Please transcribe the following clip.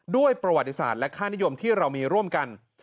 ด้วยประวัติศาสตร์และค่านิยมที่เรามีร่วมกัน